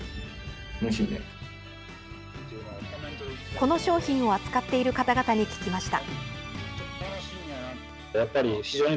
この商品を扱っている方々に聞きました。